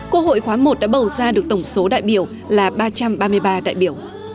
cô hội khóa một đã bầu ra được tổng số đại biểu là ba trăm ba mươi ba đại biểu